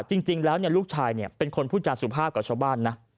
จริงแล้วลูกชายเป็นคนพูดจาสุภาพกับชาวบ้านนะ